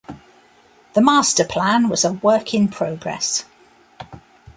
The master plan was a work in progress.